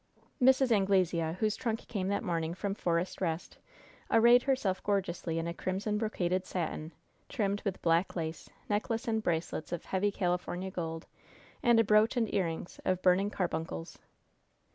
Mrs. Anglesea, whose trunk came that morning from Forest Rest, arrayed herself gorgeously in a crimson brocaded satin, trimmed with black lace, necklace and bracelets of heavy California gold, and a brooch and earrings of burning carbuncles.